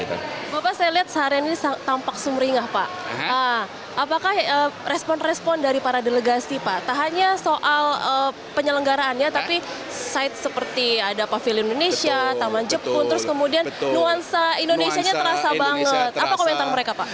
bapak saya lihat seharian ini tampak sumringah pak apakah respon respon dari para delegasi pak tak hanya soal penyelenggaraannya tapi site seperti ada pavili indonesia taman jepun terus kemudian nuansa indonesia nya terasa banget apa komentar mereka pak